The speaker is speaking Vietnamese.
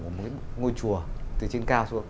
của một ngôi chùa từ trên cao xuống